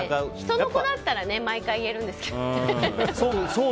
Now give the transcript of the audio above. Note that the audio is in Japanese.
人の子だったら毎回言えるんですけどね。